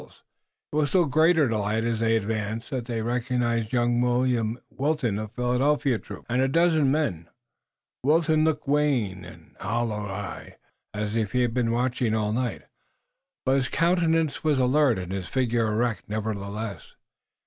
It was with still greater delight as they advanced that they recognized young William Wilton of the Philadelphia troop, and a dozen men. Wilton looked wan and hollow eyed, as if he had been watching all night, but his countenance was alert, and his figure erect nevertheless.